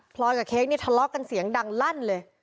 ลอยกับเค้กนี่ทะเลาะกันเสียงดังลั่นเลย